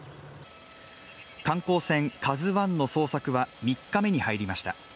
観光船「ＫＡＺＵⅠ」の捜索は３日目に入りました。